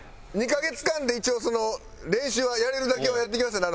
２カ月間で一応その練習はやれるだけはやってきましたね。